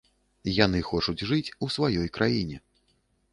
Яны хочуць жыць у сваёй краіне.